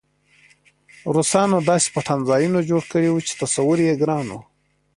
روسانو داسې پټنځایونه جوړ کړي وو چې تصور یې ګران و